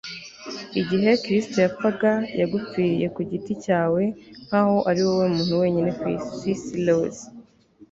igihe kristo yapfaga, yagupfiriye ku giti cyawe nkaho ari wowe muntu wenyine ku isi - c s lewis